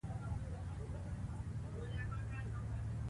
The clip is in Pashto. خدمت د خلکو اساسي حق دی.